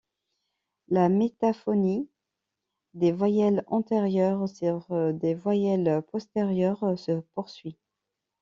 La métaphonie des voyelles antérieures sur des voyelles postérieures se poursuit.